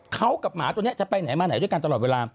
เขากับหมาตัวนี้จะไปไหนมาไหนด้วยกันตลอดเวลา